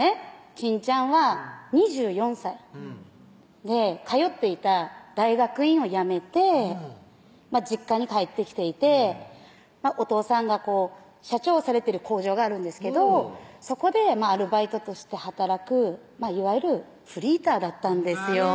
ちんちゃんは２４歳で通っていた大学院を辞めて実家に帰ってきていておとうさんが社長をされてる工場があるんですけどそこでアルバイトとして働くいわゆるフリーターだったんですよ